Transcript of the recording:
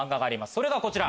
それがこちら。